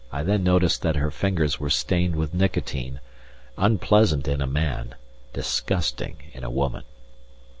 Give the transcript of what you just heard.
I then noticed that her fingers were stained with nicotine, unpleasant in a man, disgusting in a woman.